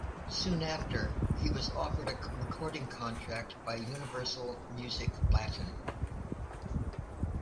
Soon after, he was offered a recording contract by Universal Music Latin.